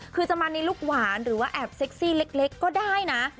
คือจะมาในลูกหวานหรือว่าแอบเซ็กซี่เล็กก็ได้นะ